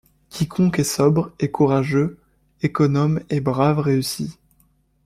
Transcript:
Quiconque est sobre et courageux, économe et brave, réussit.